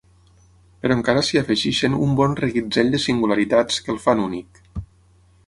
Però encara s’hi afegeixen un bon reguitzell de singularitats que el fan únic.